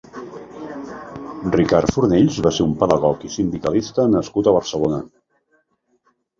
Ricard Fornells va ser un pedagog i sindicalista nascut a Barcelona.